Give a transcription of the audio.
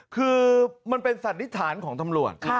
คือมันเป็นสันนิษฐานของตำรวจ